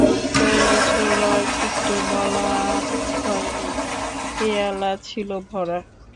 দশ বছরে রঙ একটু মলান হয় নি, পেয়ালা ছিল ভরা।